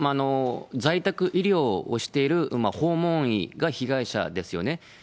在宅医療をしている訪問医が被害者ですよね。